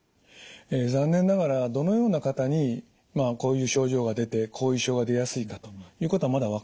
残念ながらどのような方にまあこういう症状が出て後遺症が出やすいかということはまだ分かっておりません。